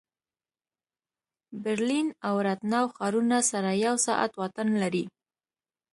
برلین او راتناو ښارونه سره یو ساعت واټن لري